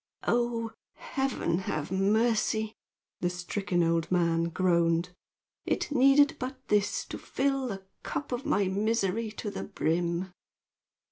"Oh, Heaven have mercy!" the stricken old man groaned. "It needed but this to fill the cup of my misery to the brim!"